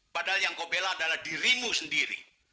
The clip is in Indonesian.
padahal yang kau bela adalah dirimu sendiri